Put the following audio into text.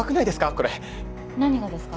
これ何がですか？